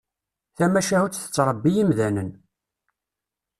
Tamacahut tettrebbi imdanen.